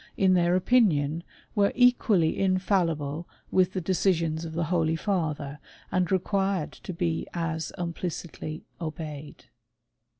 in their opinion, were equally infallible with the de^ cisions of the holy father, and required to be as im * plicitly obeyed.